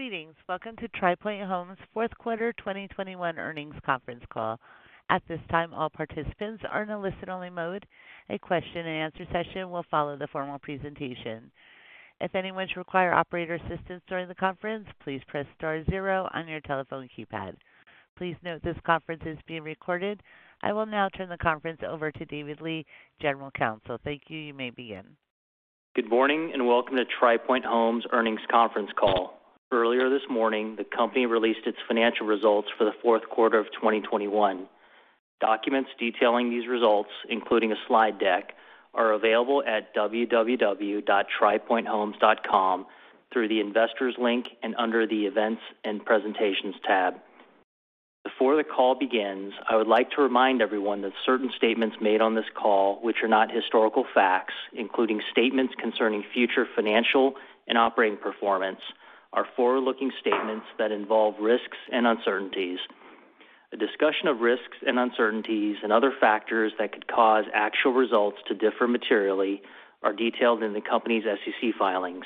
Greetings. Welcome to Tri Pointe Homes' fourth quarter 2021 earnings conference call. At this time, all participants are in a listen-only mode. A question-and-answer session will follow the formal presentation. If anyone should require operator assistance during the conference, please press star zero on your telephone keypad. Please note this conference is being recorded. I will now turn the conference over to David Lee, General Counsel. Thank you. You may begin. Good morning and welcome to Tri Pointe Homes' earnings conference call. Earlier this morning, the company released its financial results for the fourth quarter of 2021. Documents detailing these results, including a slide deck, are available at www.tripointehomes.com through the investors link and under the events and presentations tab. Before the call begins, I would like to remind everyone that certain statements made on this call which are not historical facts, including statements concerning future financial and operating performance, are forward-looking statements that involve risks and uncertainties. A discussion of risks and uncertainties and other factors that could cause actual results to differ materially are detailed in the company's SEC filings.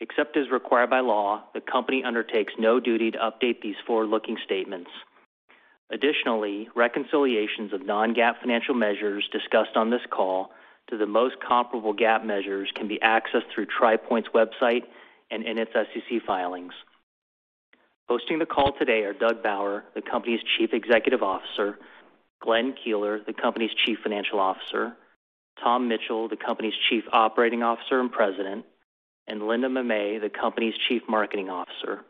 Except as required by law, the company undertakes no duty to update these forward-looking statements. Additionally, reconciliations of non-GAAP financial measures discussed on this call to the most comparable GAAP measures can be accessed through Tri Pointe's website and in its SEC filings. Hosting the call today are Doug Bauer, the company's Chief Executive Officer, Glenn Keeler, the company's Chief Financial Officer, Tom Mitchell, the company's Chief Operating Officer and President, and Linda Mamet, the company's Chief Marketing Officer.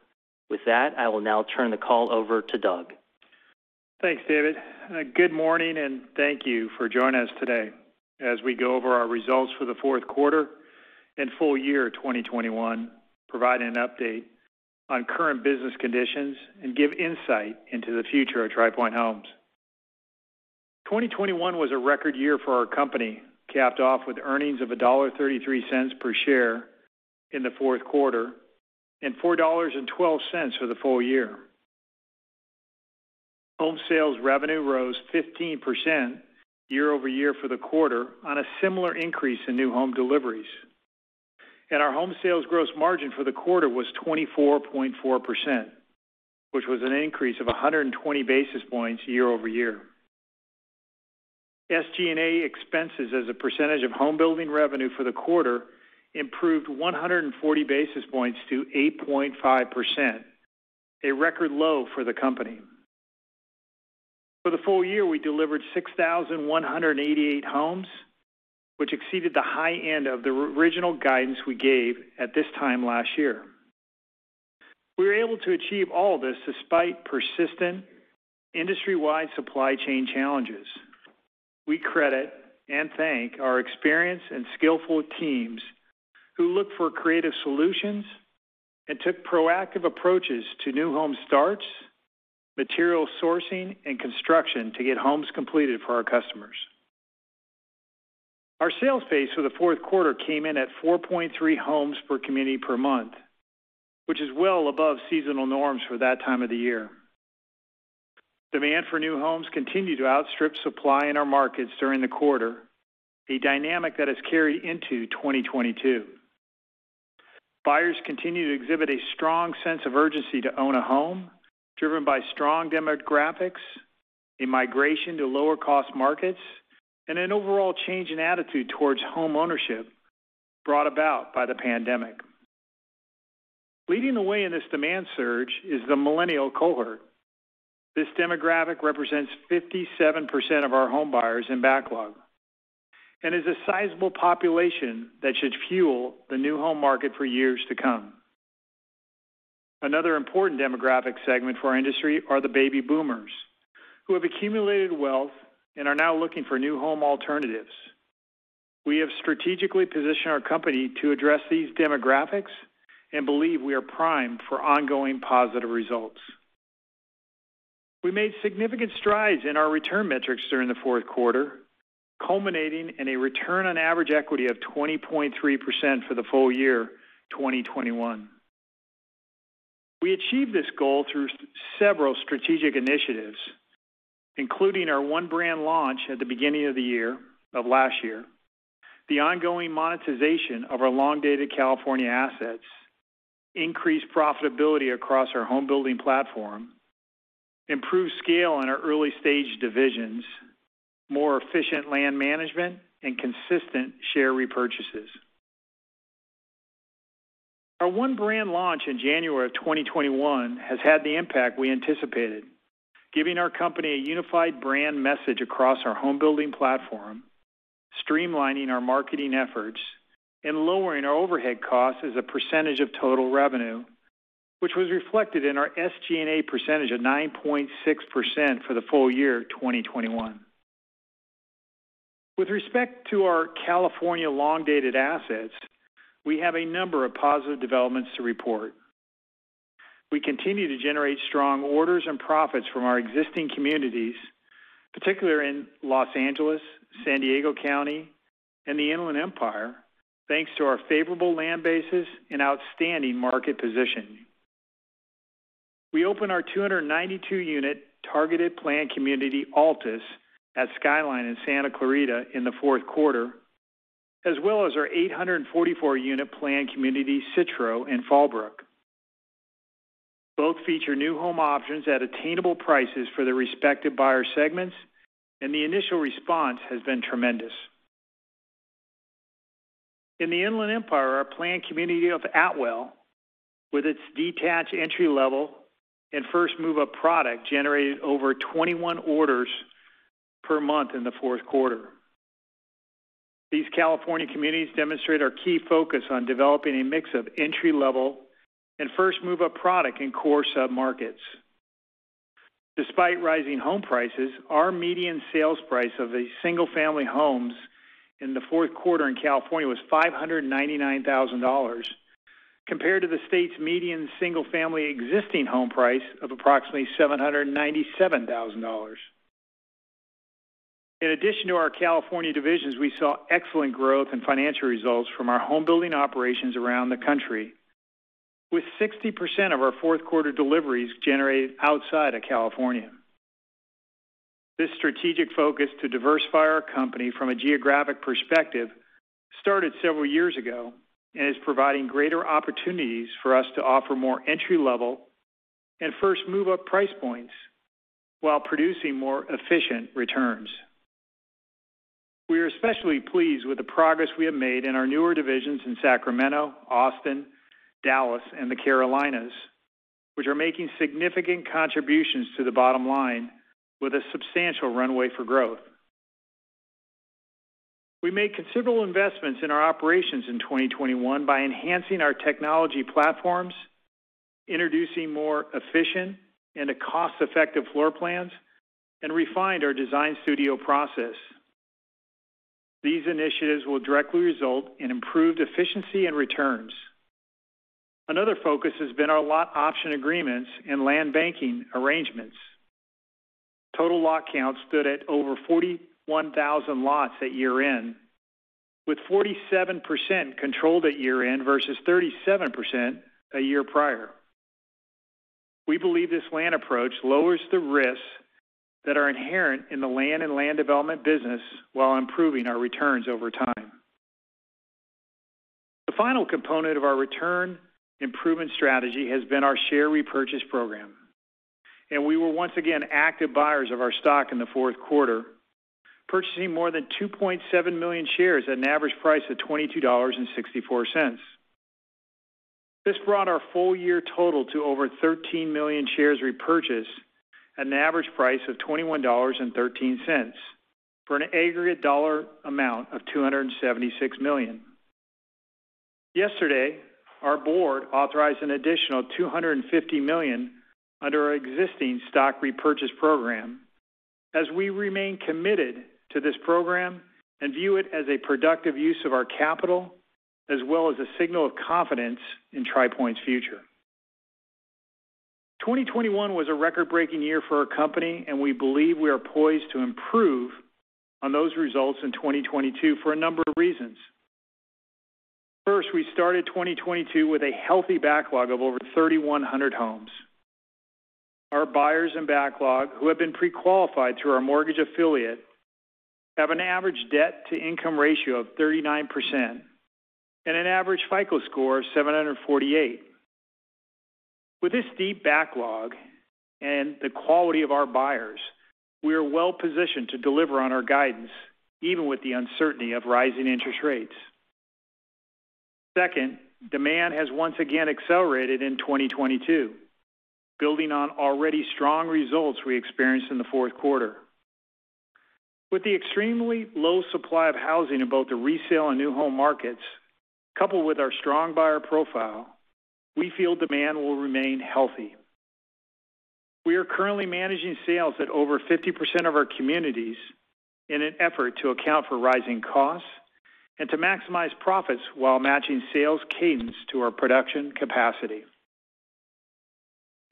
With that, I will now turn the call over to Doug. Thanks, David. Good morning and thank you for joining us today as we go over our results for the fourth quarter and full year 2021, provide an update on current business conditions, and give insight into the future of Tri Pointe Homes. 2021 was a record year for our company, capped off with earnings of $1.33 per share in the fourth quarter and $4.12 for the full year. Home sales revenue rose 15% year-over-year for the quarter on a similar increase in new home deliveries. Our home sales gross margin for the quarter was 24.4%, which was an increase of 100 basis points year-over-year. SG&A expenses as a percentage of home building revenue for the quarter improved 140 basis points to 8.5%, a record low for the company. For the full year, we delivered 6,188 homes, which exceeded the high end of the regional guidance we gave at this time last year. We were able to achieve all this despite persistent industry-wide supply chain challenges. We credit and thank our experienced and skillful teams who looked for creative solutions and took proactive approaches to new home starts, material sourcing, and construction to get homes completed for our customers. Our sales pace for the fourth quarter came in at 4.3 homes per community per month, which is well above seasonal norms for that time of the year. Demand for new homes continued to outstrip supply in our markets during the quarter, a dynamic that has carried into 2022. Buyers continue to exhibit a strong sense of urgency to own a home, driven by strong demographics, a migration to lower cost markets, and an overall change in attitude towards homeownership brought about by the pandemic. Leading the way in this demand surge is the millennial cohort. This demographic represents 57% of our home buyers and backlog and is a sizable population that should fuel the new home market for years to come. Another important demographic segment for our industry are the baby boomers, who have accumulated wealth and are now looking for new home alternatives. We have strategically positioned our company to address these demographics and believe we are primed for ongoing positive results. We made significant strides in our return metrics during the fourth quarter, culminating in a return on average equity of 20.3% for the full year 2021. We achieved this goal through several strategic initiatives, including our one brand launch at the beginning of last year, the ongoing monetization of our long-dated California assets, increased profitability across our home building platform, improved scale in our early-stage divisions, more efficient land management, and consistent share repurchases. Our one brand launch in January 2021 has had the impact we anticipated, giving our company a unified brand message across our home building platform, streamlining our marketing efforts, and lowering our overhead costs as a percentage of total revenue, which was reflected in our SG&A percentage of 9.6% for the full year 2021. With respect to our California long-dated assets, we have a number of positive developments to report. We continue to generate strong orders and profits from our existing communities, particularly in Los Angeles, San Diego County, and the Inland Empire, thanks to our favorable land bases and outstanding market position. We opened our 292-unit targeted planned community, Altis, at Skyline in Santa Clarita in the fourth quarter, as well as our 844-unit planned community, Citro, in Fallbrook. Both feature new home options at attainable prices for their respective buyer segments, and the initial response has been tremendous. In the Inland Empire, our planned community of Atwell, with its detached entry-level and first move-up product, generated over 21 orders per month in the fourth quarter. These California communities demonstrate our key focus on developing a mix of entry-level and first move-up product in core submarkets. Despite rising home prices, our median sales price of these single-family homes in the fourth quarter in California was $599,000 compared to the state's median single-family existing home price of approximately $797,000. In addition to our California divisions, we saw excellent growth in financial results from our home building operations around the country, with 60% of our fourth quarter deliveries generated outside of California. This strategic focus to diversify our company from a geographic perspective started several years ago and is providing greater opportunities for us to offer more entry-level and first move-up price points while producing more efficient returns. We are especially pleased with the progress we have made in our newer divisions in Sacramento, Austin, Dallas, and the Carolinas, which are making significant contributions to the bottom line with a substantial runway for growth. We made considerable investments in our operations in 2021 by enhancing our technology platforms, introducing more efficient and cost-effective floor plans, and refined our design studio process. These initiatives will directly result in improved efficiency and returns. Another focus has been our lot option agreements and land banking arrangements. Total lot count stood at over 41,000 lots at year-end, with 47% controlled at year-end versus 37% a year prior. We believe this land approach lowers the risks that are inherent in the land and land development business while improving our returns over time. The final component of our return improvement strategy has been our share repurchase program, and we were once again active buyers of our stock in the fourth quarter, purchasing more than 2.7 million shares at an average price of $22.64. This brought our full year total to over 13 million shares repurchased at an average price of $21.13 for an aggregate amount of $276 million. Yesterday, our board authorized an additional $250 million under our existing stock repurchase program as we remain committed to this program and view it as a productive use of our capital as well as a signal of confidence in Tri Pointe's future. 2021 was a record-breaking year for our company, and we believe we are poised to improve on those results in 2022 for a number of reasons. First, we started 2022 with a healthy backlog of over 3,100 homes. Our buyers in backlog, who have been pre-qualified through our mortgage affiliate, have an average debt-to-income ratio of 39% and an average FICO score of 748. With this deep backlog and the quality of our buyers, we are well positioned to deliver on our guidance, even with the uncertainty of rising interest rates. Second, demand has once again accelerated in 2022, building on already strong results we experienced in the fourth quarter. With the extremely low supply of housing in both the resale and new home markets, coupled with our strong buyer profile, we feel demand will remain healthy. We are currently managing sales at over 50% of our communities in an effort to account for rising costs and to maximize profits while matching sales cadence to our production capacity.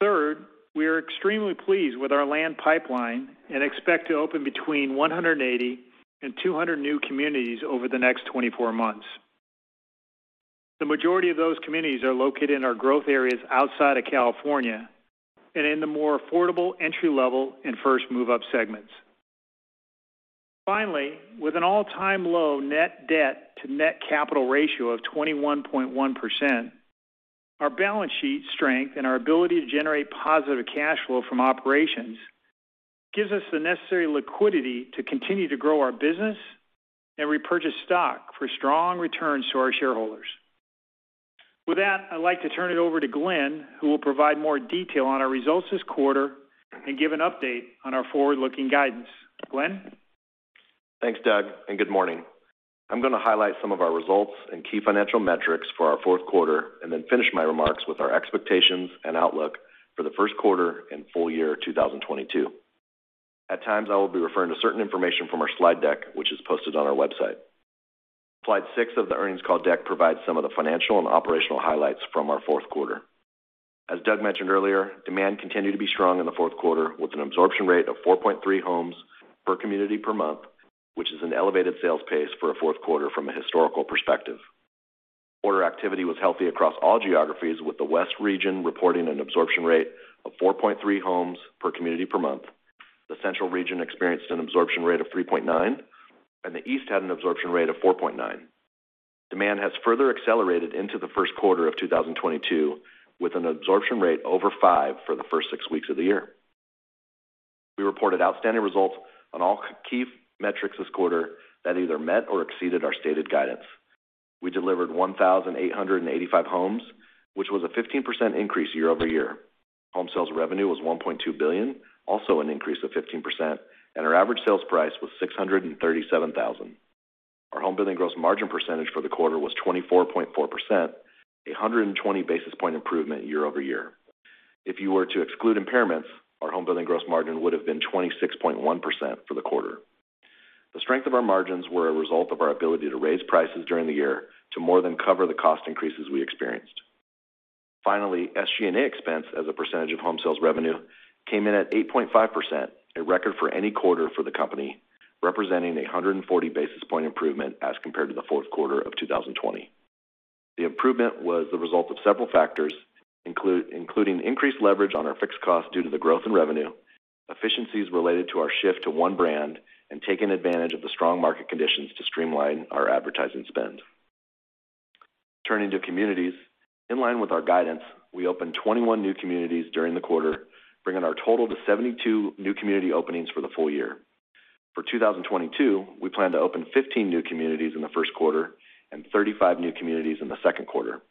Third, we are extremely pleased with our land pipeline and expect to open between 180 and 200 new communities over the next 24 months. The majority of those communities are located in our growth areas outside of California and in the more affordable entry-level and first move-up segments. Finally, with an all-time low net debt to net capital ratio of 21.1%, our balance sheet strength and our ability to generate positive cash flow from operations gives us the necessary liquidity to continue to grow our business and repurchase stock for strong returns to our shareholders. With that, I'd like to turn it over to Glenn, who will provide more detail on our results this quarter and give an update on our forward-looking guidance. Glenn? Thanks, Doug, and good morning. I'm going to highlight some of our results and key financial metrics for our fourth quarter and then finish my remarks with our expectations and outlook for the first quarter and full year 2022. At times, I will be referring to certain information from our slide deck, which is posted on our website. Slide six of the earnings call deck provides some of the financial and operational highlights from our fourth quarter. As Doug mentioned earlier, demand continued to be strong in the fourth quarter with an absorption rate of 4.3 homes per community per month, which is an elevated sales pace for a fourth quarter from a historical perspective. Quarter activity was healthy across all geographies, with the West region reporting an absorption rate of 4.3 homes per community per month. The central region experienced an absorption rate of 3.9, and the East had an absorption rate of 4.9. Demand has further accelerated into the first quarter of 2022, with an absorption rate over five for the first six weeks of the year. We reported outstanding results on all key metrics this quarter that either met or exceeded our stated guidance. We delivered 1,885 homes, which was a 15% increase year-over-year. Home sales revenue was $1.2 billion, also an increase of 15%, and our average sales price was $637,000. Our home building gross margin percentage for the quarter was 24.4%, a 120 basis point improvement year-over-year. If you were to exclude impairments, our home building gross margin would have been 26.1% for the quarter. The strength of our margins were a result of our ability to raise prices during the year to more than cover the cost increases we experienced. Finally, SG&A expense as a percentage of home sales revenue came in at 8.5%, a record for any quarter for the company, representing a 140 basis point improvement as compared to the fourth quarter of 2020. The improvement was the result of several factors, including increased leverage on our fixed cost due to the growth in revenue, efficiencies related to our shift to one brand, and taking advantage of the strong market conditions to streamline our advertising spend. Turning to communities. In line with our guidance, we opened 21 new communities during the quarter, bringing our total to 72 new community openings for the full year. For 2022, we plan to open 15 new communities in the first quarter and 35 new communities in the second quarter.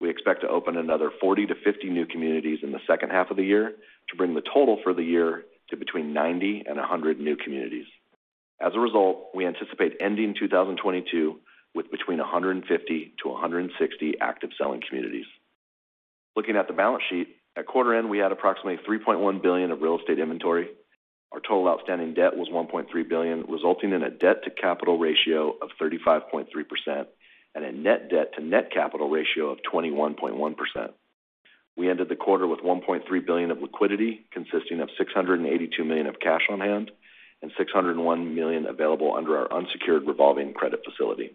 We expect to open another 40-50 new communities in the second half of the year to bring the total for the year to between 90 and 100 new communities. As a result, we anticipate ending 2022 with between 150 to 160 active selling communities. Looking at the balance sheet, at quarter end, we had approximately $3.1 billion of real estate inventory. Our total outstanding debt was $1.3 billion, resulting in a debt to capital ratio of 35.3% and a net debt to net capital ratio of 21.1%. We ended the quarter with $1.3 billion of liquidity, consisting of $682 million of cash on hand and $601 million available under our unsecured revolving credit facility.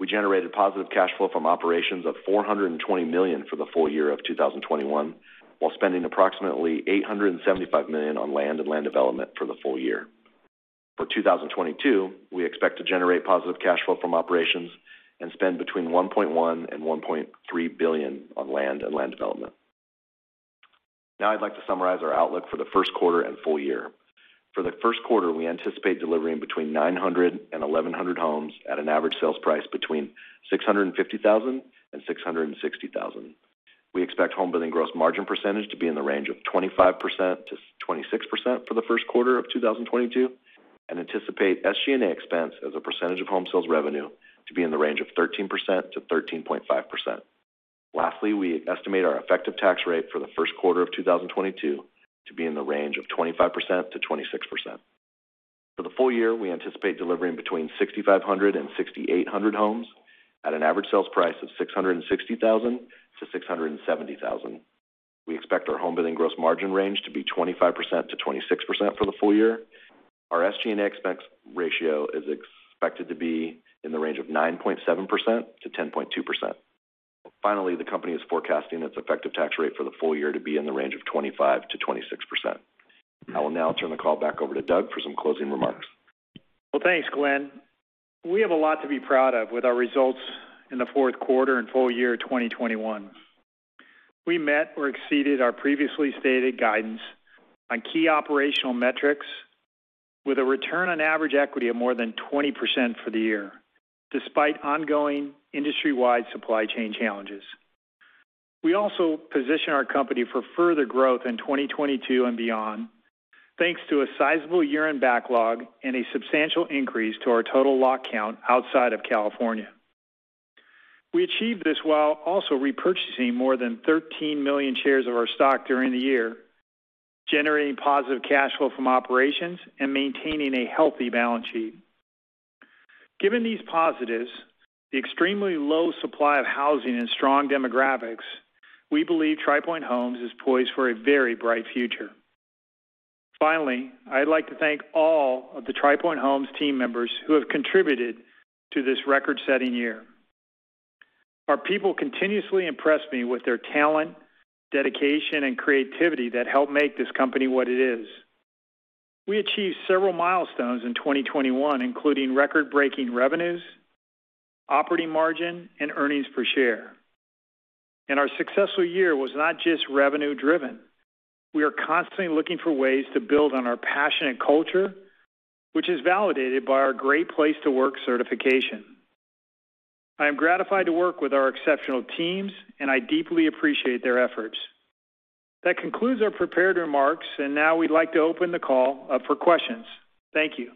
We generated positive cash flow from operations of $420 million for the full year of 2021, while spending approximately $875 million on land and land development for the full year. For 2022, we expect to generate positive cash flow from operations and spend between $1.1 billion and $1.3 billion on land and land development. Now I'd like to summarize our outlook for the first quarter and full year. For the first quarter, we anticipate delivering between 900 and 1,100 homes at an average sales price between $650,000 and $660,000. We expect home building gross margin percentage to be in the range of 25%-26% for the first quarter of 2022, and anticipate SG&A expense as a percentage of home sales revenue to be in the range of 13%-13.5%. Lastly, we estimate our effective tax rate for the first quarter of 2022 to be in the range of 25%-26%. For the full year, we anticipate delivering between 6,500 and 6,800 homes at an average sales price of $660,000-$670,000. We expect our home building gross margin range to be 25%-26% for the full year. Our SG&A expense ratio is expected to be in the range of 9.7%-10.2%. Finally, the company is forecasting its effective tax rate for the full year to be in the range of 25%-26%. I will now turn the call back over to Doug for some closing remarks. Well, thanks, Glenn. We have a lot to be proud of with our results in the fourth quarter and full year 2021. We met or exceeded our previously stated guidance on key operational metrics with a return on average equity of more than 20% for the year, despite ongoing industry-wide supply chain challenges. We also position our company for further growth in 2022 and beyond, thanks to a sizable year-end backlog and a substantial increase to our total lot count outside of California. We achieved this while also repurchasing more than 13 million shares of our stock during the year, generating positive cash flow from operations and maintaining a healthy balance sheet. Given these positives, the extremely low supply of housing, and strong demographics, we believe Tri Pointe Homes is poised for a very bright future. Finally, I'd like to thank all of the Tri Pointe Homes team members who have contributed to this record-setting year. Our people continuously impress me with their talent, dedication, and creativity that help make this company what it is. We achieved several milestones in 2021, including record-breaking revenues, operating margin, and earnings per share. Our successful year was not just revenue driven. We are constantly looking for ways to build on our passionate culture, which is validated by our Great Place To Work certification. I am gratified to work with our exceptional teams, and I deeply appreciate their efforts. That concludes our prepared remarks, and now we'd like to open the call up for questions. Thank you.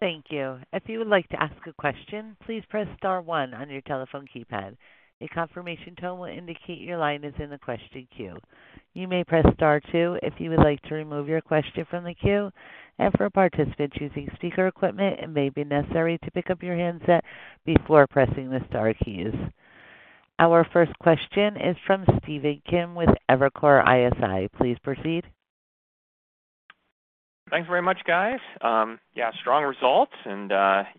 Thank you. If you would like to ask a question, please press star one on your telephone keypad. A confirmation tone will indicate your line is in the question queue. You may press star two if you would like to remove your question from the queue. For a participant using speaker equipment, it may be necessary to pick up your handset before pressing the star keys. Our first question is from Stephen Kim with Evercore ISI. Please proceed. Thanks very much, guys. Yeah, strong results and,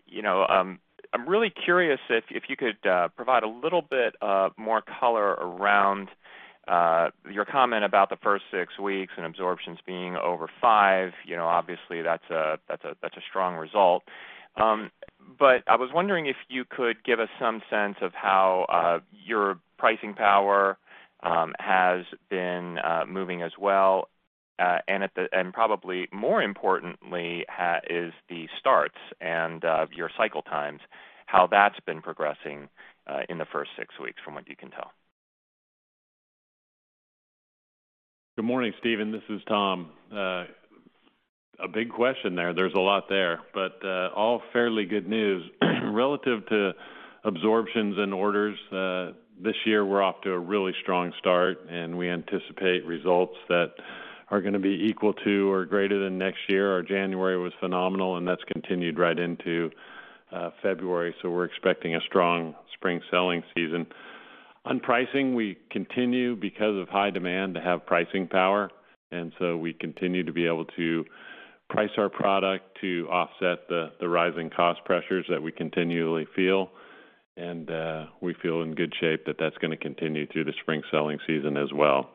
you know, I'm really curious if you could provide a little bit of more color around your comment about the first six weeks and absorptions being over five. You know, obviously that's a strong result. But I was wondering if you could give us some sense of how your pricing power has been moving as well. And probably more importantly, is the starts and your cycle times, how that's been progressing in the first six weeks, from what you can tell. Good morning, Stephen. This is Tom. A big question there. There's a lot there, but all fairly good news. Relative to absorptions and orders, this year we're off to a really strong start, and we anticipate results that are gonna be equal to or greater than next year. Our January was phenomenal, and that's continued right into February, so we're expecting a strong spring selling season. On pricing, we continue, because of high demand, to have pricing power, and so we continue to be able to price our product to offset the rising cost pressures that we continually feel. We feel in good shape that that's gonna continue through the spring selling season as well.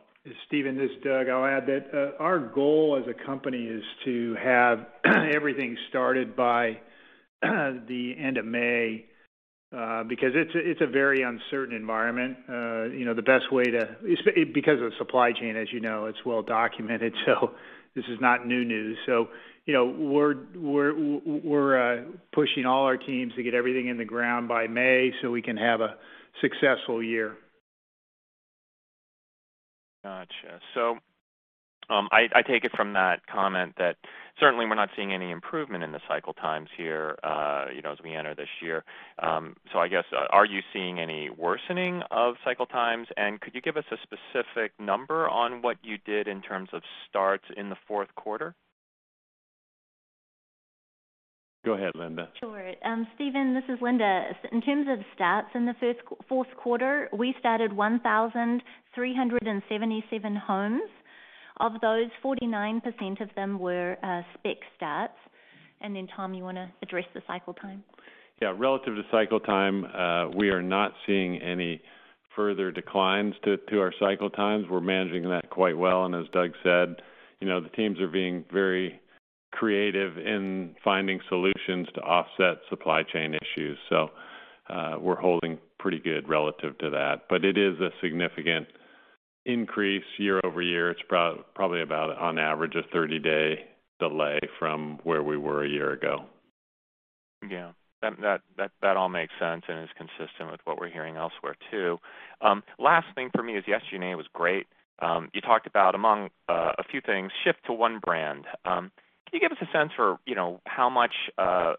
Stephen, this is Doug. I'll add that our goal as a company is to have everything started by the end of May, because it's a very uncertain environment. You know, because of supply chain, as you know, it's well documented, so this is not new news. You know, we're pushing all our teams to get everything in the ground by May so we can have a successful year. Gotcha. I take it from that comment that certainly we're not seeing any improvement in the cycle times here, you know, as we enter this year. I guess are you seeing any worsening of cycle times, and could you give us a specific number on what you did in terms of starts in the fourth quarter? Go ahead, Linda. Sure. Stephen, this is Linda. In terms of starts in the fourth quarter, we started 1,377 homes. Of those, 49% of them were spec starts. Tom, you wanna address the cycle time? Yeah. Relative to cycle time, we are not seeing any further declines to our cycle times. We're managing that quite well, and as Doug said, you know, the teams are being very creative in finding solutions to offset supply chain issues. We're holding pretty good relative to that. It is a significant increase year-over-year. It's probably about on average a 30-day delay from where we were a year ago. Yeah. That all makes sense and is consistent with what we're hearing elsewhere too. Last thing for me is yesterday was great. You talked about, among a few things, shift to one brand. Can you give us a sense for, you know, how much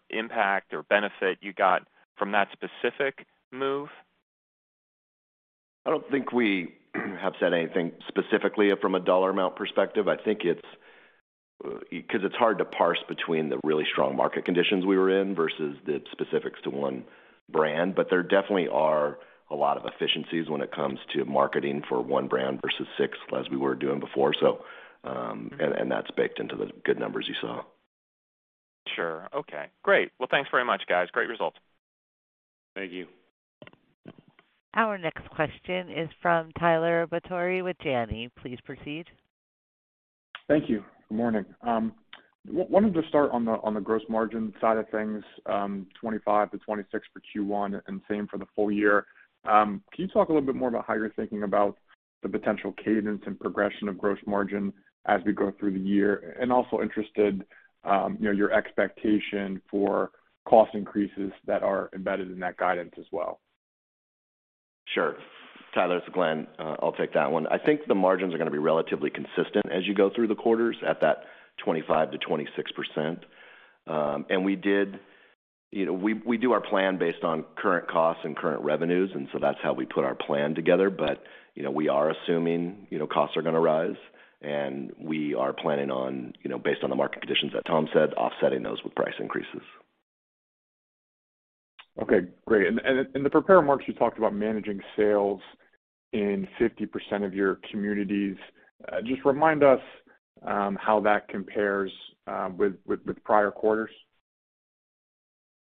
impact or benefit you got from that specific move? I don't think we have said anything specifically from a dollar amount perspective. I think it's because it's hard to parse between the really strong market conditions we were in versus the specifics to one brand. There definitely are a lot of efficiencies when it comes to marketing for one brand versus six, as we were doing before. And that's baked into the good numbers you saw. Sure. Okay, great. Well, thanks very much, guys. Great results. Thank you. Our next question is from Tyler Batory with Janney. Please proceed. Thank you. Good morning. Wanted to start on the gross margin side of things, 25%-26% for Q1 and same for the full year. Can you talk a little bit more about how you're thinking about the potential cadence and progression of gross margin as we go through the year? I'm also interested, you know, your expectation for cost increases that are embedded in that guidance as well. Sure. Tyler, it's Glenn. I'll take that one. I think the margins are going to be relatively consistent as you go through the quarters at that 25%-26%. You know, we do our plan based on current costs and current revenues, and so that's how we put our plan together. You know, we are assuming, you know, costs are going to rise, and we are planning on, you know, based on the market conditions that Tom said, offsetting those with price increases. Okay, great. In the prepared remarks, you talked about managing sales in 50% of your communities. Just remind us how that compares with prior quarters.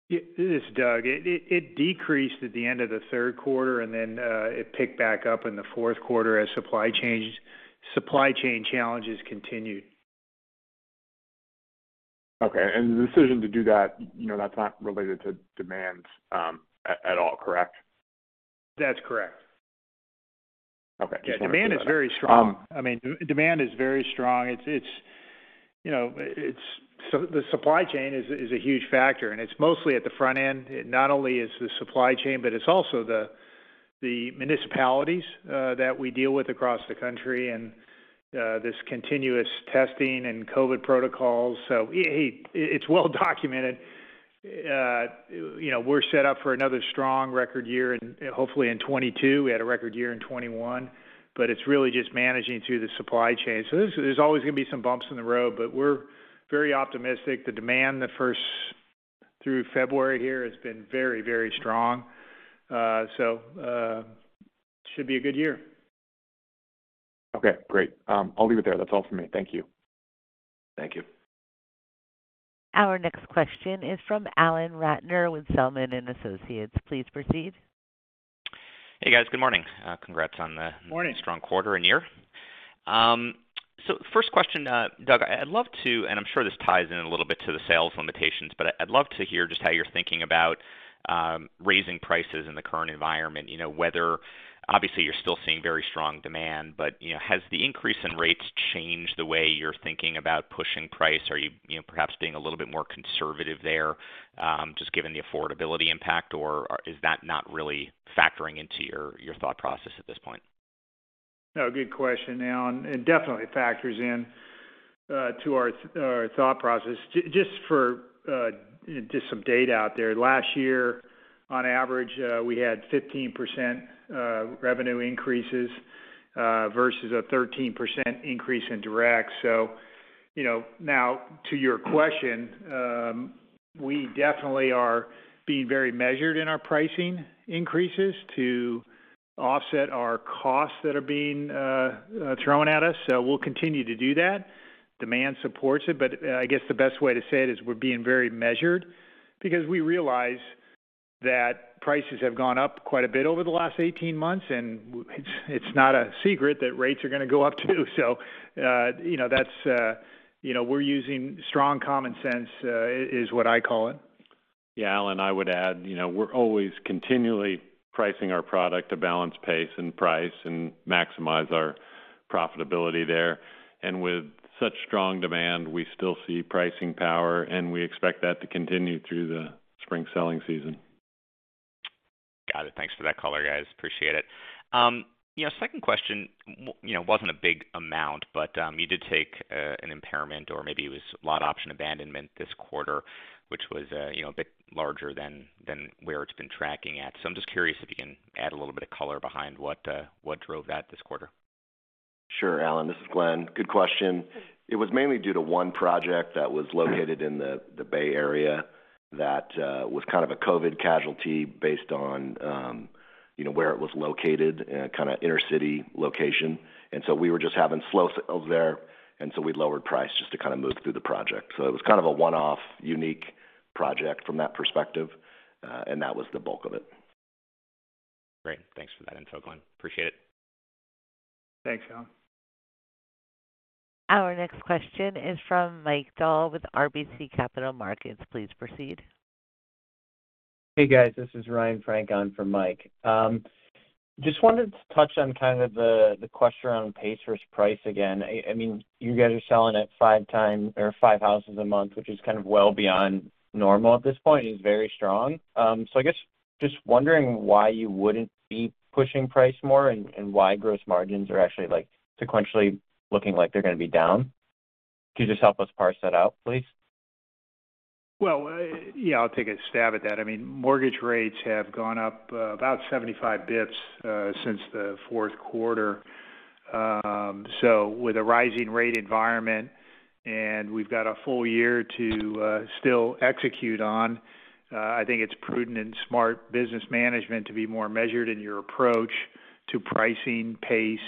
This is Doug. It decreased at the end of the third quarter and then it picked back up in the fourth quarter as supply chain challenges continued. Okay. The decision to do that, you know, that's not related to demand, at all, correct? That's correct. Okay. Just wanted to. Yeah, demand is very strong. I mean, demand is very strong. It's, you know, it's a huge factor, and it's mostly at the front end. Not only is the supply chain, but it's also the municipalities that we deal with across the country and this continuous testing and COVID protocols. Hey, it's well documented. You know, we're set up for another strong record year and hopefully in 2022. We had a record year in 2021, but it's really just managing through the supply chain. There's always going to be some bumps in the road, but we're very optimistic. The demand from the first through February here has been very, very strong. Should be a good year. Okay, great. I'll leave it there. That's all for me. Thank you. Thank you. Our next question is from Alan Ratner with Zelman & Associates. Please proceed. Hey, guys. Good morning. Congrats on the- Morning... strong quarter and year. First question, Doug, I'd love to, and I'm sure this ties in a little bit to the sales limitations, but I'd love to hear just how you're thinking about raising prices in the current environment, you know, whether obviously you're still seeing very strong demand, but you know, has the increase in rates changed the way you're thinking about pushing price? Are you know, perhaps being a little bit more conservative there just given the affordability impact, or is that not really factoring into your thought process at this point? No, good question, Alan. It definitely factors in to our thought process. Just some data out there, last year, on average, we had 15% revenue increases versus a 13% increase in direct. You know, now to your question, we definitely are being very measured in our pricing increases to offset our costs that are being thrown at us. We'll continue to do that. Demand supports it, but I guess the best way to say it is we're being very measured because we realize that prices have gone up quite a bit over the last 18 months, and it's not a secret that rates are going to go up too. You know, that's. You know, we're using strong common sense is what I call it. Yeah, Alan, I would add, you know, we're always continually pricing our product to balance pace and price and maximize our profitability there. With such strong demand, we still see pricing power, and we expect that to continue through the spring selling season. Got it. Thanks for that color, guys. Appreciate it. You know, second question. You know, it wasn't a big amount, but you did take an impairment or maybe it was lot option abandonment this quarter, which was, you know, a bit larger than where it's been tracking at. I'm just curious if you can add a little bit of color behind what drove that this quarter. Sure, Alan. This is Glenn. Good question. It was mainly due to one project that was located in the Bay Area that was kind of a COVID casualty based on you know where it was located kind of inner city location. We were just having slow sales there and so we lowered price just to kind of move through the project. It was kind of a one-off unique project from that perspective and that was the bulk of it. Great. Thanks for that info, Glenn. Appreciate it. Thanks, Alan. Our next question is from Mike Dahl with RBC Capital Markets. Please proceed. Hey, guys. This is Ryan Frank on for Mike. Just wanted to touch on kind of the question on pace versus price again. I mean, you guys are selling at five houses a month, which is kind of well beyond normal at this point. It's very strong. So I guess just wondering why you wouldn't be pushing price more and why gross margins are actually, like, sequentially looking like they're going to be down. Could you just help us parse that out, please? Well, yeah, I'll take a stab at that. I mean, mortgage rates have gone up about 75 basis points since the fourth quarter. With a rising rate environment, and we've got a full year to still execute on, I think it's prudent and smart business management to be more measured in your approach to pricing pace,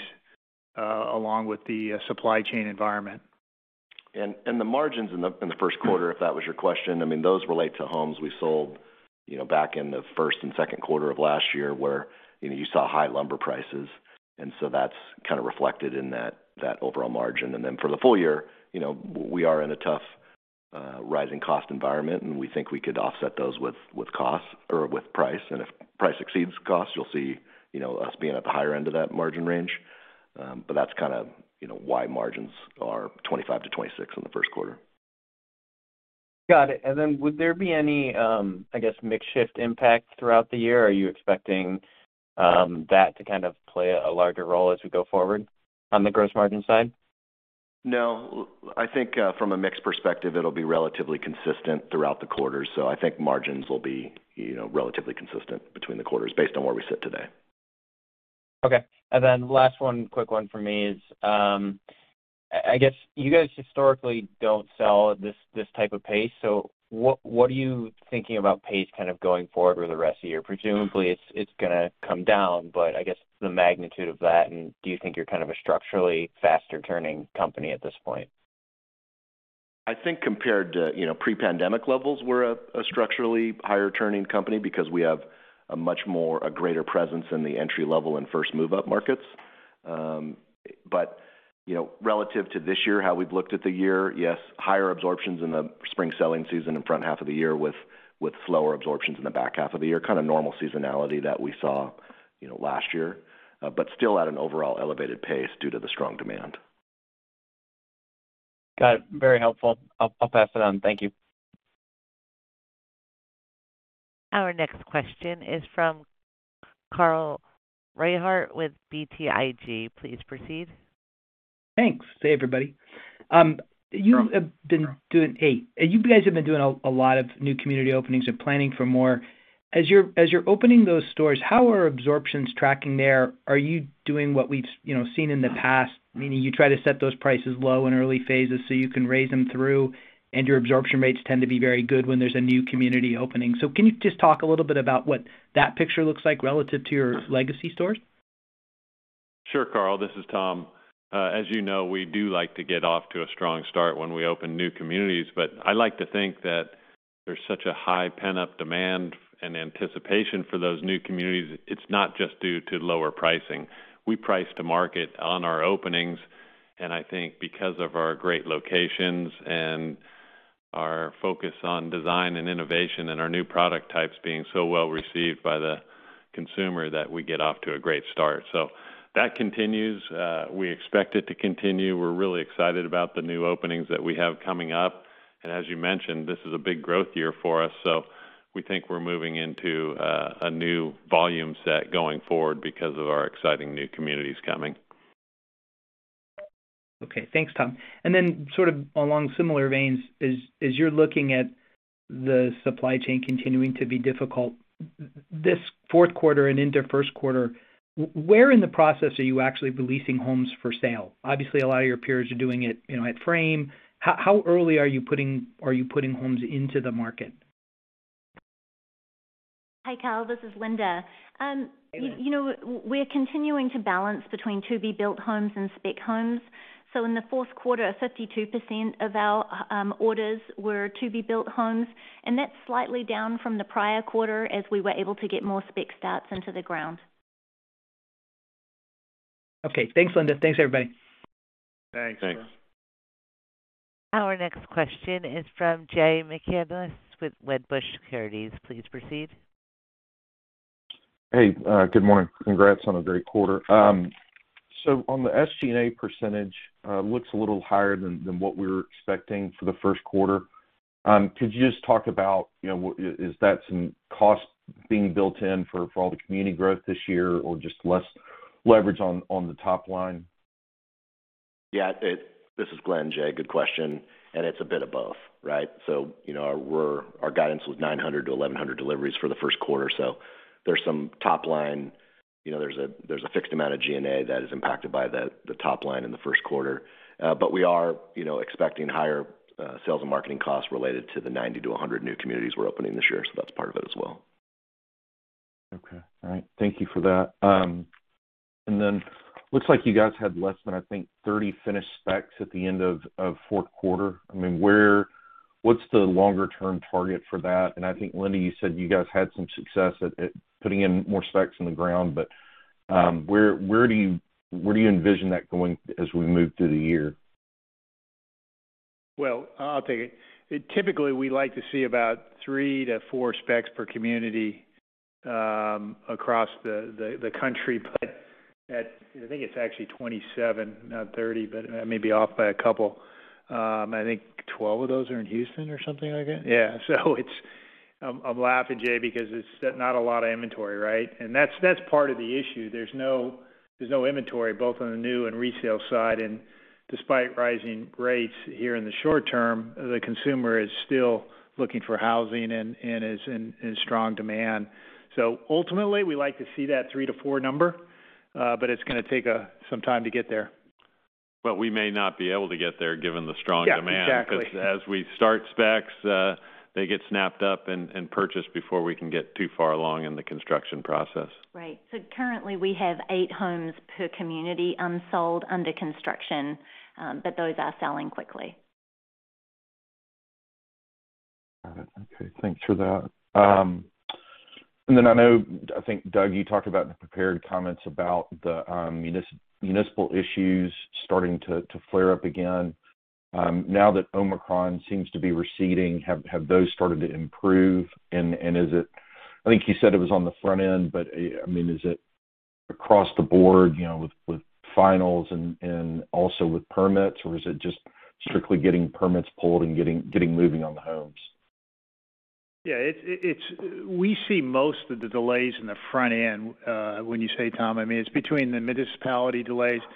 along with the supply chain environment. The margins in the first quarter, if that was your question, I mean, those relate to homes we sold, you know, back in the first and second quarter of last year where, you know, you saw high lumber prices, and so that's kind of reflected in that overall margin. Then for the full year, you know, we are in a tough rising cost environment, and we think we could offset those with cost or with price. If price exceeds cost, you'll see, you know, us being at the higher end of that margin range. That's kind of, you know, why margins are 25%-26% in the first quarter. Got it. Would there be any, I guess, mix shift impact throughout the year? Are you expecting that to kind of play a larger role as we go forward on the gross margin side? No. I think from a mix perspective, it'll be relatively consistent throughout the quarter. I think margins will be, you know, relatively consistent between the quarters based on where we sit today. Okay. Last one, quick one for me is, I guess you guys historically don't sell this type of pace. What are you thinking about pace kind of going forward for the rest of the year? Presumably, it's gonna come down, but I guess the magnitude of that, and do you think you're kind of a structurally faster turning company at this point? I think compared to, you know, pre-pandemic levels, we're a structurally higher turning company because we have a much greater presence in the entry-level and first move-up markets. You know, relative to this year, how we've looked at the year, yes, higher absorptions in the spring selling season and front half of the year with slower absorptions in the back half of the year, kind of normal seasonality that we saw, you know, last year, but still at an overall elevated pace due to the strong demand. Got it. Very helpful. I'll pass it on. Thank you. Our next question is from Carl Reichardt with BTIG. Please proceed. Thanks. Hey, everybody. Carl. You guys have been doing a lot of new community openings and planning for more. As you're opening those communities, how are absorptions tracking there? Are you doing what we've, you know, seen in the past, meaning you try to set those prices low in early phases so you can raise them through, and your absorption rates tend to be very good when there's a new community opening. Can you just talk a little bit about what that picture looks like relative to your legacy communities? Sure, Carl, this is Tom. As you know, we do like to get off to a strong start when we open new communities, but I like to think that there's such a high pent-up demand and anticipation for those new communities, it's not just due to lower pricing. We price to market on our openings, and I think because of our great locations and our focus on design and innovation and our new product types being so well received by the consumer, that we get off to a great start. That continues. We expect it to continue. We're really excited about the new openings that we have coming up. As you mentioned, this is a big growth year for us, so we think we're moving into a new volume set going forward because of our exciting new communities coming. Okay. Thanks, Tom. Sort of along similar veins, as you're looking at the supply chain continuing to be difficult this fourth quarter and into first quarter, where in the process are you actually releasing homes for sale? Obviously, a lot of your peers are doing it, you know, at frame. How early are you putting homes into the market? Hi, Carl, this is Linda. You know, we're continuing to balance between to-be-built homes and spec homes. In the fourth quarter, 52% of our orders were to-be-built homes, and that's slightly down from the prior quarter as we were able to get more spec starts into the ground. Okay. Thanks, Linda. Thanks, everybody. Thanks. Thanks. Our next question is from Jay McCanless with Wedbush Securities. Please proceed. Hey, good morning. Congrats on a great quarter. On the SG&A percentage, looks a little higher than what we were expecting for the first quarter. Could you just talk about, you know, is that some cost being built in for all the community growth this year, or just less leverage on the top line? This is Glenn, Jay. Good question. It's a bit of both, right? You know, our guidance was 900-1,100 deliveries for the first quarter. There's some top line. You know, there's a fixed amount of SG&A that is impacted by the top line in the first quarter. But we are, you know, expecting higher sales and marketing costs related to the 90-100 new communities we're opening this year. That's part of it as well. Okay. All right. Thank you for that. Looks like you guys had less than, I think, 30 finished specs at the end of fourth quarter. I mean, where, what's the longer term target for that? I think, Linda, you said you guys had some success at putting in more specs in the ground, but where do you envision that going as we move through the year? Well, I'll take it. Typically, we like to see about three to four specs per community across the country. At, I think it's actually 27, not 30, but I may be off by a couple. I think 12 of those are in Houston or something like that. Yeah. It's. I'm laughing, Jay, because it's not a lot of inventory, right? That's part of the issue. There's no inventory both on the new and resale side. Despite rising rates here in the short term, the consumer is still looking for housing and is in strong demand. Ultimately, we like to see that three to four number, but it's gonna take some time to get there. We may not be able to get there given the strong demand. Yeah, exactly. 'Cause as we start specs, they get snapped up and purchased before we can get too far along in the construction process. Right. Currently we have eight homes per community unsold, under construction, but those are selling quickly. Got it. Okay, thanks for that. I know I think, Doug, you talked about in the prepared comments about the municipal issues starting to flare up again. Now that Omicron seems to be receding, have those started to improve? Is it, I think you said it was on the front end, but I mean, is it across the board, you know, with finals and also with permits, or is it just strictly getting permits pulled and getting moving on the homes? Yeah, we see most of the delays in the front end when you say, Tom. I mean, it's between the municipality delays. You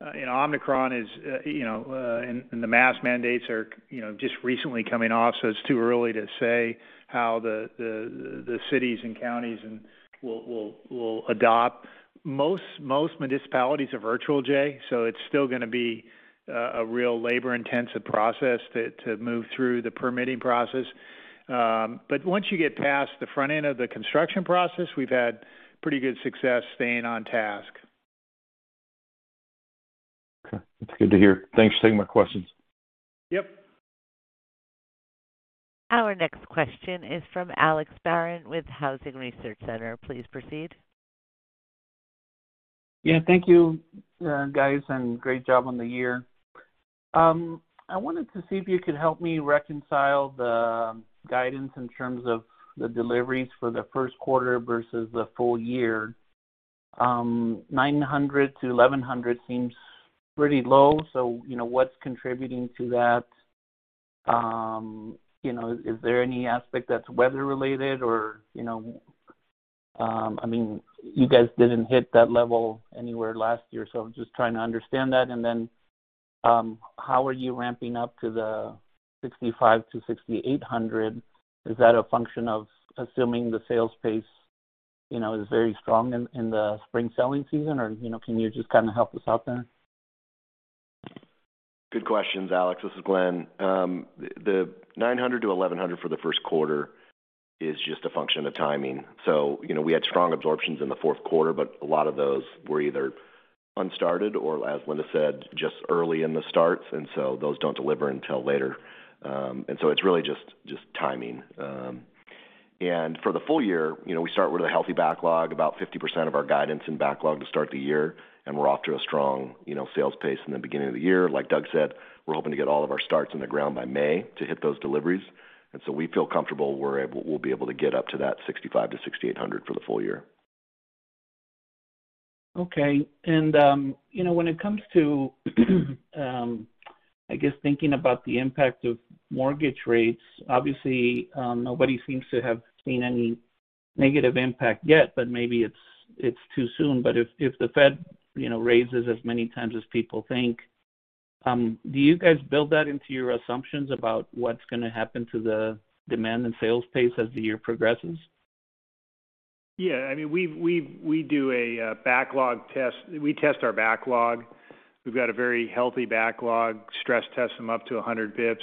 know, Omicron is you know and the mask mandates are you know just recently coming off, so it's too early to say how the cities and counties will adopt. Most municipalities are virtual, Jay, so it's still gonna be a real labor-intensive process to move through the permitting process. Once you get past the front end of the construction process, we've had pretty good success staying on task. Okay. That's good to hear. Thanks for taking my questions. Yep. Our next question is from Alex Barron with Housing Research Center. Please proceed. Yeah, thank you, guys, and great job on the year. I wanted to see if you could help me reconcile the guidance in terms of the deliveries for the first quarter versus the full year. 900-1,100 seems pretty low, so, you know, what's contributing to that? You know, is there any aspect that's weather related or, you know, I mean, you guys didn't hit that level anywhere last year, so I'm just trying to understand that. Then, how are you ramping up to the 6,500-6,800? Is that a function of assuming the sales pace, you know, is very strong in the spring selling season or, you know, can you just kind of help us out there? Good questions, Alex. This is Glenn. The 900-1,100 for the first quarter is just a function of timing. You know, we had strong absorptions in the fourth quarter, but a lot of those were either unstarted or, as Linda said, just early in the starts, and so those don't deliver until later. It's really just timing. For the full year, you know, we start with a healthy backlog, about 50% of our guidance in backlog to start the year, and we're off to a strong, you know, sales pace in the beginning of the year. Like Doug said, we're hoping to get all of our starts in the ground by May to hit those deliveries. We feel comfortable we're able. We'll be able to get up to that 6,500-6,800 for the full year. You know, when it comes to, I guess thinking about the impact of mortgage rates, obviously, nobody seems to have seen any negative impact yet, but maybe it's too soon. If the Fed, you know, raises as many times as people think, do you guys build that into your assumptions about what's gonna happen to the demand and sales pace as the year progresses? Yeah. I mean, we do a backlog test. We test our backlog. We've got a very healthy backlog. Stress test them up to 100 basis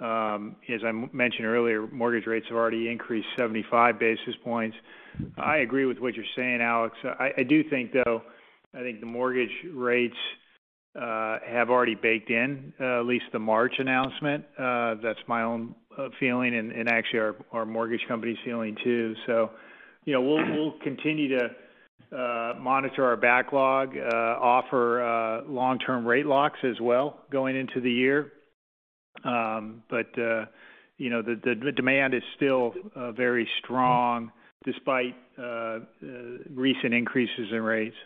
points. As I mentioned earlier, mortgage rates have already increased 75 basis points. I agree with what you're saying, Alex. I do think, though, the mortgage rates have already baked in at least the March announcement. That's my own feeling and actually our mortgage company's feeling too. You know, we'll continue to monitor our backlog, offer long-term rate locks as well going into the year. You know, the demand is still very strong despite recent increases in rates.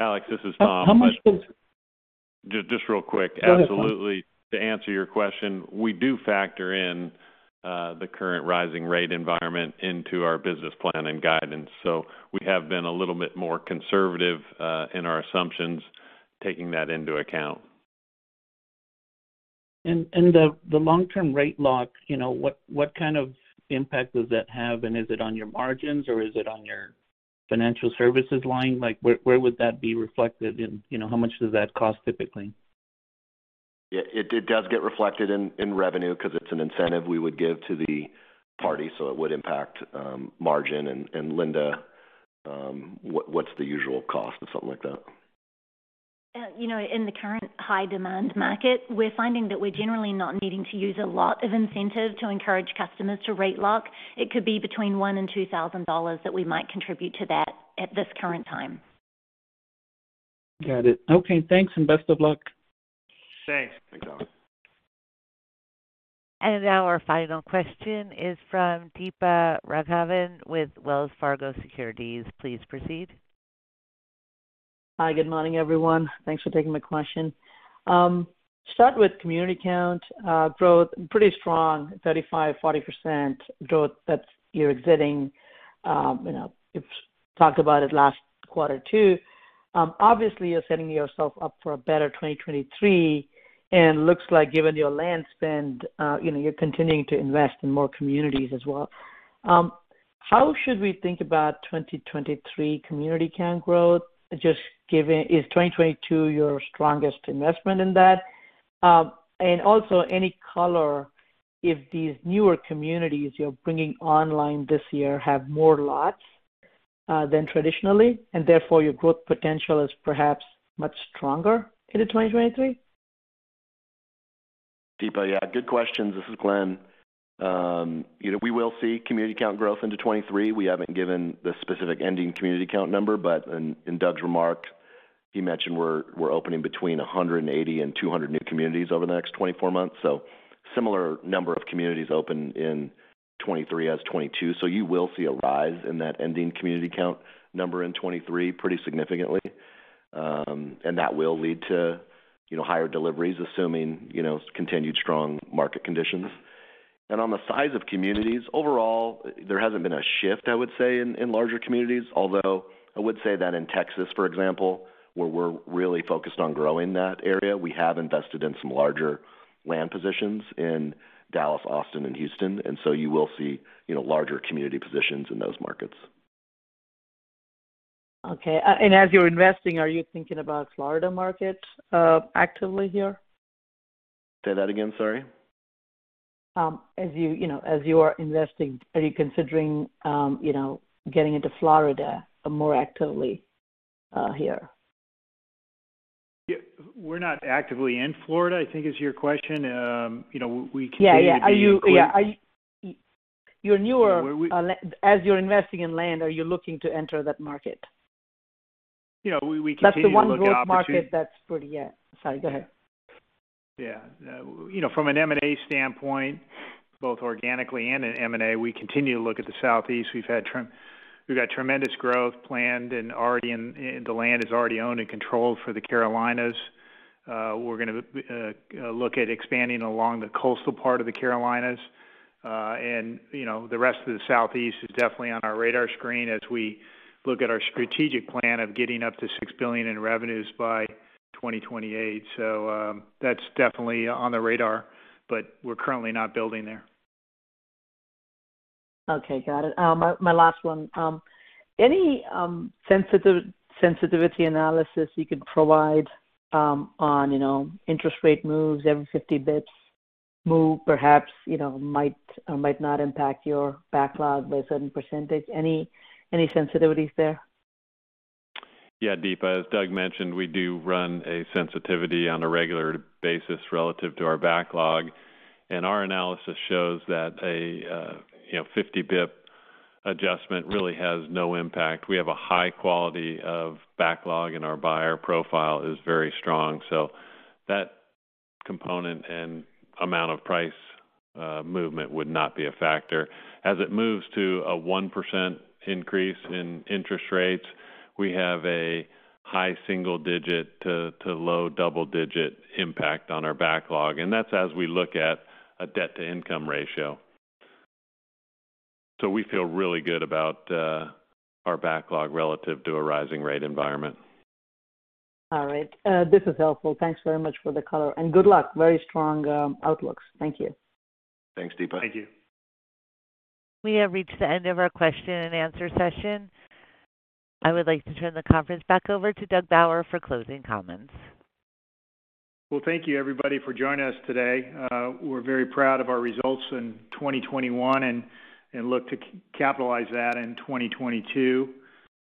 Alex, this is Tom. How much does Just real quick. Go ahead, Tom. Absolutely. To answer your question, we do factor in the current rising rate environment into our business plan and guidance. We have been a little bit more conservative in our assumptions, taking that into account. The long-term rate lock, you know, what kind of impact does that have? Is it on your margins or is it on your financial services line? Like, where would that be reflected in? You know, how much does that cost typically? It does get reflected in revenue 'cause it's an incentive we would give to the party, so it would impact margin. Linda, what's the usual cost of something like that? You know, in the current high demand market, we're finding that we're generally not needing to use a lot of incentive to encourage customers to rate lock. It could be between $1,000 and $2,000 that we might contribute to that at this current time. Got it. Okay, thanks, and best of luck. Thanks. Thanks, Alex. Now our final question is from Deepa Raghavan with Wells Fargo Securities. Please proceed. Hi, good morning, everyone. Thanks for taking my question. Start with community count growth, pretty strong, 35%-40% growth that you're exiting. You know, you've talked about it last quarter too. Obviously you're setting yourself up for a better 2023, and looks like given your land spend, you know, you're continuing to invest in more communities as well. How should we think about 2023 community count growth? Just given... Is 2022 your strongest investment in that? And also any color if these newer communities you're bringing online this year have more lots than traditionally, and therefore your growth potential is perhaps much stronger headed 2023. Deepa, yeah, good questions. This is Glenn. You know, we will see community count growth into 2023. We haven't given the specific ending community count number, but in Doug's remark, he mentioned we're opening between 180 and 200 new communities over the next 24 months. Similar number of communities open in 2023 as 2022. You will see a rise in that ending community count number in 2023 pretty significantly. That will lead to higher deliveries, assuming continued strong market conditions. On the size of communities, overall, there hasn't been a shift, I would say, in larger communities. Although, I would say that in Texas, for example, where we're really focused on growing that area, we have invested in some larger land positions in Dallas, Austin, and Houston, and so you will see, you know, larger community positions in those markets. Okay. As you're investing, are you thinking about Florida market, actively here? Say that again. Sorry. As you know, as you are investing, are you considering, you know, getting into Florida more actively here? Yeah. We're not actively in Florida, I think is your question. You know, Yeah, yeah. Are you continue to be- Yeah. You know. As you're investing in land, are you looking to enter that market? You know, we continue to look at opportunities. That's the one growth market that's pretty. Yeah. Sorry, go ahead. Yeah. You know, from an M&A standpoint, both organically and in M&A, we continue to look at the Southeast. We've got tremendous growth planned and the land is already owned and controlled for the Carolinas. We're gonna look at expanding along the coastal part of the Carolinas. And, you know, the rest of the Southeast is definitely on our radar screen as we look at our strategic plan of getting up to $6 billion in revenues by 2028. That's definitely on the radar, but we're currently not building there. Okay, got it. My last one. Any sensitivity analysis you could provide on, you know, interest rate moves, every 50 basis points move perhaps, you know, might not impact your backlog by a certain percentage. Any sensitivities there? Yeah, Deepa. As Doug mentioned, we do run a sensitivity on a regular basis relative to our backlog, and our analysis shows that a 50 basis point adjustment really has no impact. We have a high quality of backlog, and our buyer profile is very strong. That component and amount of price movement would not be a factor. As it moves to a 1% increase in interest rates, we have a high single-digit to low double-digit impact on our backlog, and that's as we look at a debt-to-income ratio. We feel really good about our backlog relative to a rising rate environment. All right. This is helpful. Thanks very much for the color. Good luck. Very strong outlooks. Thank you. Thanks, Deepa. Thank you. We have reached the end of our question and answer session. I would like to turn the conference back over to Doug Bauer for closing comments. Well, thank you, everybody, for joining us today. We're very proud of our results in 2021 and look to capitalize that in 2022.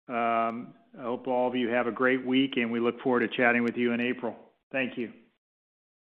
I hope all of you have a great week, and we look forward to chatting with you in April. Thank you.